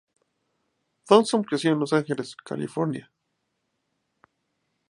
Thompson creció en Los Angeles, California.